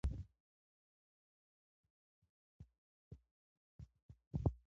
ته يې کولى شې يا که ته زحمت پر ځان قبول کړي؟